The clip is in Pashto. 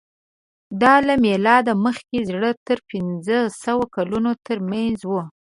دا له مېلاده مخکې زر تر پینځهسوه کلونو تر منځ وو.